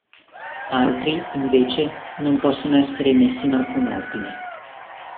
Altri, invece, non possono essere messi in alcun ordine.